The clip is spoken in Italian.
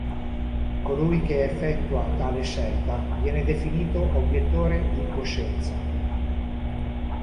Colui che effettua tale scelta viene definito obiettore di coscienza.